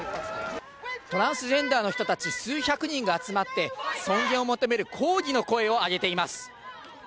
トランスジェンダーの人たち、数百人が集まって、尊厳を求める抗議の声を上げています。